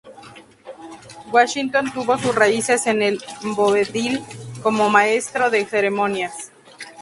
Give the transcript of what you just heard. Washington tuvo sus raíces en el vodevil como maestro de ceremonias.